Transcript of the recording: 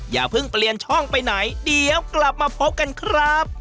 อย่าเพิ่งเปลี่ยนช่องไปไหนเดี๋ยวกลับมาพบกันครับ